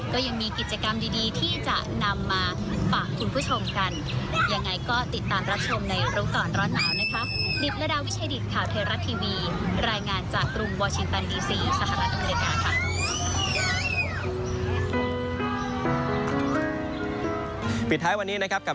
ก็ยังมีกิจกรรมดีที่จะนำมาฝากคุณผู้ชมกันยังไงก็ติดตามรับชมในรู้ก่อนร้อนหนาวนะคะ